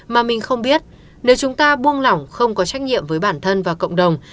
mà mình không biết nếu chúng ta buông lỏng không có trách nhiệm với bản thân và cộng đồng